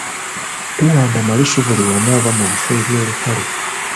Towanda malusu buli wamu oba mu bifo eby’olukale.